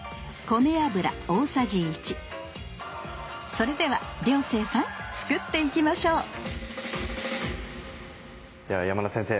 それでは涼星さん作っていきましょうでは山田先生